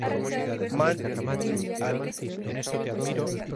Mann et al.